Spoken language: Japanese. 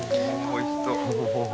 おいしそう。